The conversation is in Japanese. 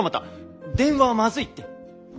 電話はまずいって。